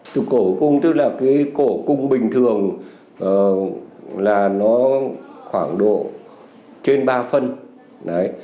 tụt cổ tục cung tức là cổ cung bình thường là nó khoảng độ trên ba phân